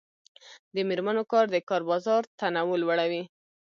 د میرمنو کار د کار بازار تنوع لوړوي.